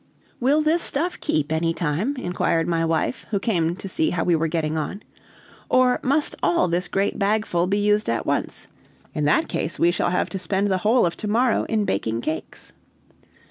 "Will this stuff keep any time?" inquired my wife, who came to see how we were getting on. "Or must all this great bagful be used at once? In that case we shall have to spend the whole of to morrow in baking cakes."